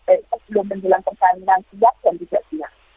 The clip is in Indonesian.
eh sebelum menjelang pertandingan siap dan tidak siap